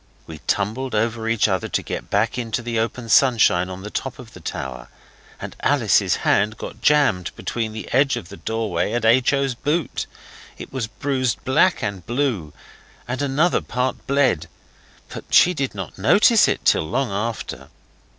We tumbled over each other to get back into the open sunshine on the top of the tower, and Alice's hand got jammed between the edge of the doorway and H. O.'s boot; it was bruised black and blue, and another part bled, but she did not notice it till long after.